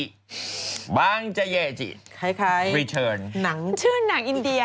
ใครนังญี่ปุ่นไหมชื่อนังอินเดีย